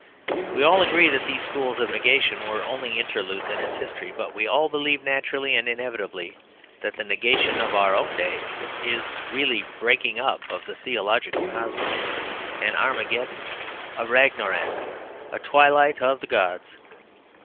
We all agree that these schools of negation were only interludes in its history; but we all believe naturally and inevitably that the negation of our own day is really a breaking up of the theological cosmos, an Armageddon, a Ragnorak, a twilight of the gods.